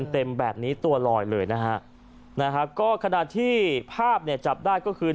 เต็มแบบนี้ตัวลอยเลยนะฮะก็ขณะที่ภาพเนี่ยจับได้ก็คือ